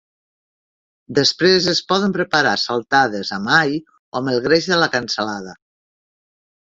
Després es poden preparar saltades amb all o amb el greix de la cansalada.